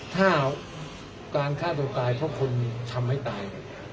ถ้าการฆ่าตัวตายเพราะคุณทำให้ตาย